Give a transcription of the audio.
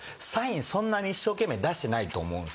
そんなに一生懸命出してないと思うんですよ。